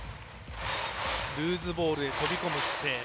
ルーズボールに飛び込む姿勢。